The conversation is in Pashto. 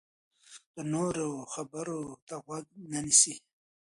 د نورو خبرو ته غوږ نه نیسي.